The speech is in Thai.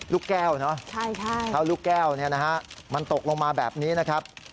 ลูกแก้วเนอะเท่าลูกแก้วเนี่ยนะฮะมันตกลงมาแบบนี้นะครับ